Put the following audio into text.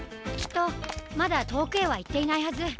きっとまだとおくへはいっていないはず！